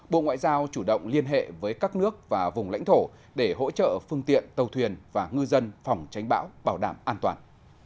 bộ ngoại giao chủ động liên hệ với các nước và vùng lãnh thổ để hỗ trợ phương tiện tàu thuyền và ngư dân phòng tránh bão bảo đảm an toàn